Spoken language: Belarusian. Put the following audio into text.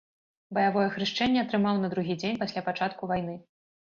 Баявое хрышчэнне атрымаў на другі дзень пасля пачатку вайны.